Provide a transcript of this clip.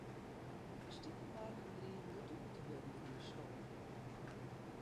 De stikelbargen drigen de dupe te wurden fan de sloop.